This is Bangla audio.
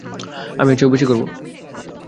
আমি এর চেয়েও বেশি করব।